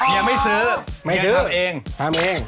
เฮียไม่ซื้อเฮียทำเองทำเอง